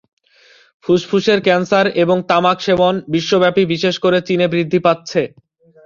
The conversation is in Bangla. ফুসফুসের ক্যানসার এবং তামাক সেবন বিশ্বব্যাপী, বিশেষ করে চীনে বৃদ্ধি পাচ্ছে।